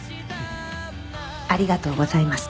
ありがとうございます。